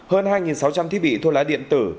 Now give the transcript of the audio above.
hơn hai sáu trăm linh thiết bị thô lá điện tử